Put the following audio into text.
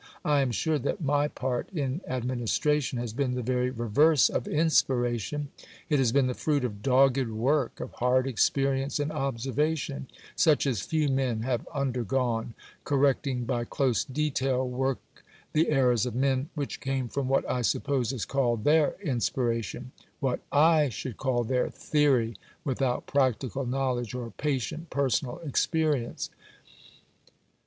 I am sure that my part in Administration has been the very reverse of "Inspiration": it has been the fruit of dogged work, of hard experience and observation, such as few men have undergone: correcting by close detail work the errors of men which came from what I suppose is called their "inspiration": what I should call their Theory without Practical knowledge or patient personal experience.